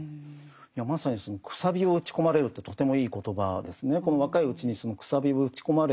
まさにその「楔を打ち込まれる」ってとてもいい言葉ですね。